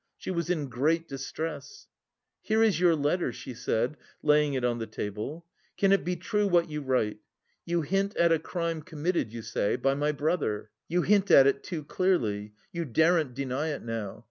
She was in great distress. "Here is your letter," she said, laying it on the table. "Can it be true what you write? You hint at a crime committed, you say, by my brother. You hint at it too clearly; you daren't deny it now.